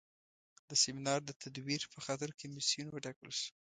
د سیمینار د تدویر په خاطر کمیسیون وټاکل شو.